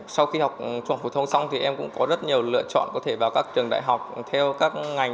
sau khi học trung học phổ thông xong thì em cũng có rất nhiều lựa chọn có thể vào các trường đại học theo các ngành